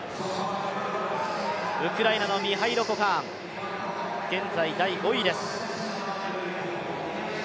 ウクライナのミハイロ・コカーン現在第５位です。